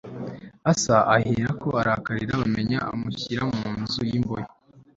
Asa aherako arakarira bamenya amushyira mu nzu yimbohe